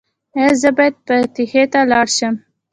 ایا زه باید فاتحې ته لاړ شم؟